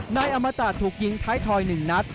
นายอมตาฟินเจริญถูกยิงท้ายทอยหนึ่งนัด